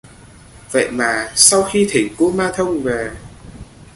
Vậy mà Sau khi thỉnh kumanthông về